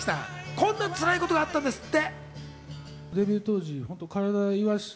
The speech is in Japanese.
こんなつらいことがあったんですって。